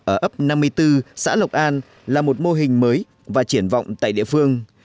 ở ấp năm mươi bốn xã lộc an là một mô hình mới và triển vọng tại địa phương